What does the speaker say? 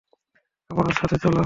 আমার সাথে চল।